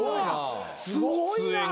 すごいな。